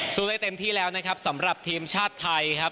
ได้เต็มที่แล้วนะครับสำหรับทีมชาติไทยครับ